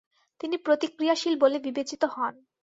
তিনি প্রতিক্রিয়াশীল বলে বিবেচিত হন।